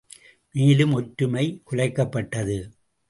மேலும் ஒற்றுமை குலைக்கப்பட்டது.